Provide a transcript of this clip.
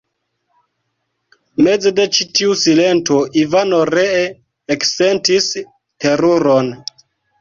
Meze de ĉi tiu silento Ivano ree eksentis teruron.